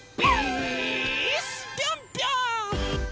ぴょんぴょん！